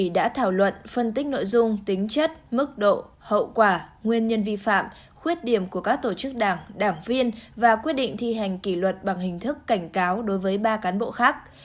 đã thảo luận phân tích nội dung tính chất mức độ hậu quả nguyên nhân vi phạm khuyết điểm của các tổ chức đảng đảng viên và quyết định thi hành kỷ luật bằng hình thức cảnh cáo đối với ba cán bộ khác